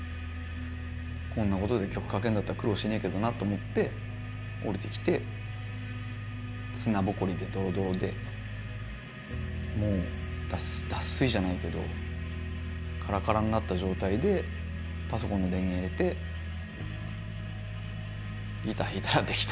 こんなことで曲書けんだったら苦労しねえけどなと思って下りてきて砂ぼこりでドロドロでもう脱水じゃないけどカラカラになった状態でパソコンの電源入れてギター弾いたらできた。